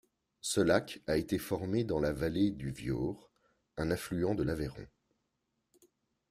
Ce lac a été formé dans le vallée du Viaur, un affluent de l'Aveyron.